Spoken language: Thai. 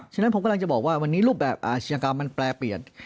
ฉะนั้นผมกำลังจะบอกว่าวันนี้รูปแบบอาชญากรรมมันแปลเปลี่ยน